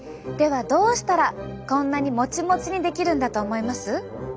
はどうしたらこんなにモチモチにできるんだと思います？